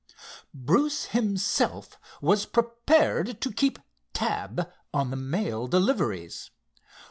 Bruce himself was prepared to keep "tab" on the mail deliveries.